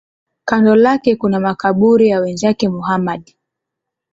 Kando lake kuna makaburi ya wenzake Muhammad.